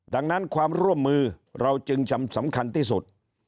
ดังนั้นความร่วมมือเราจึงจำสำคัญที่สุด